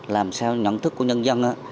làm sao nhận thức của nhân dân